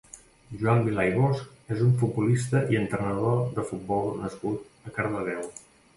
Joan Vilà i Bosch és un futbolista i entrenador de futbol nascut a Cardedeu.